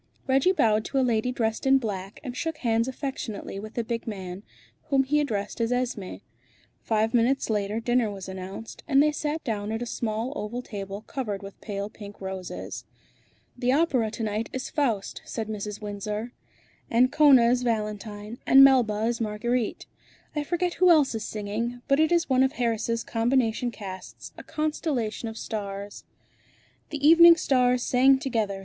Reggie bowed to a lady dressed in black, and shook hands affectionately with the big man, whom he addressed as Esmé. Five minutes later dinner was announced, and they sat down at a small oval table covered with pale pink roses. "The opera to night is 'Faust,'" said Mrs. Windsor. "Ancona is Valentine, and Melba is Marguerite. I forget who else is singing, but it is one of Harris' combination casts, a constellation of stars." "The evening stars sang together!"